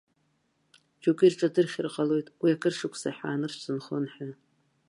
Џьоукы ирҿадырхьыр ҟалоит, уи акыршықәса аҳәаанырцә дынхон ҳәа.